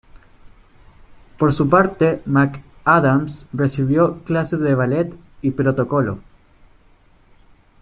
Por su parte, McAdams recibió clases de ballet y protocolo.